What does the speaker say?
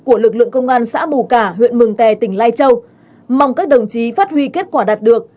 của lực lượng công an xã bù cả huyện mường tè tỉnh lai châu mong các đồng chí phát huy kết quả đạt được